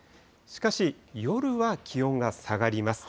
しかし夜は気温が下がります。